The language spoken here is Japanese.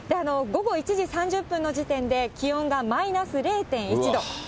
午後１時３０分の時点で、気温がマイナス０．１度。